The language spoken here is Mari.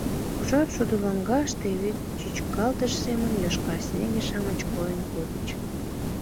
Ужар шудо лоҥгаште, вӱр чӱчалтыш семын, йошкар снеге-шамыч койын кодыч.